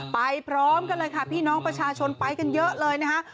พร้อมกันเลยค่ะพี่น้องประชาชนไปกันเยอะเลยนะคะ